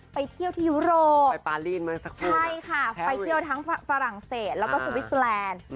ไปเที่ยวที่ยุโรปไปเที่ยวทั้งฝรั่งเศสแล้วก็สวิสแลนด์